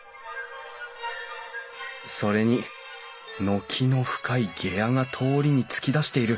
それに軒の深い下屋が通りに突き出している。